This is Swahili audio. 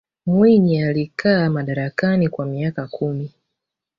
mwinyi alikaa madarakani kwa miaka kumi